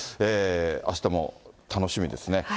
あしたも楽しみですね。